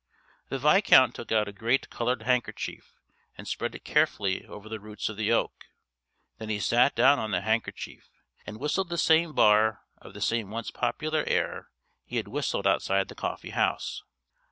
The Viscount took out a great coloured handkerchief, and spread it carefully over the roots of the oak; then he sat down on the handkerchief, and whistled the same bar of the same once popular air he had whistled outside the coffee house.